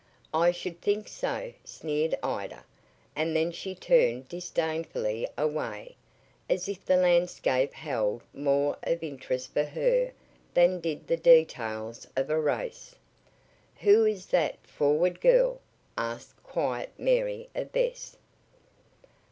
"I should think so," sneered Ida, and then she turned disdainfully away, as if the landscape held more of interest for her than did the details of a race. "Who is that forward girl?" asked quiet Mary of Bess.